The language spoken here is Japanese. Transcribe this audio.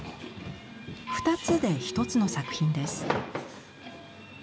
二つで一つの作品です。